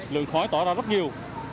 lượng khói tỏa ra rất nhiều